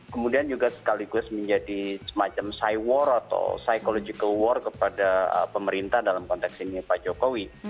kemudian juga sekaligus menjadi semacam psychological war kepada pemerintah dalam konteks ini pak jokowi